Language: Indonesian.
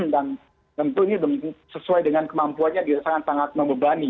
dan tentunya sesuai dengan kemampuannya tidak sangat sangat membebani